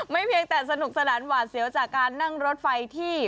เพียงแต่สนุกสนานหวาดเสียวจากการนั่งรถไฟที่